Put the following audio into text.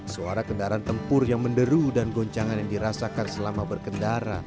suara kendaraan tempur yang menderu dan goncangan yang dirasakan selama berkendara